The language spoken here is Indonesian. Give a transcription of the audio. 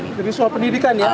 jadi soal pendidikan ya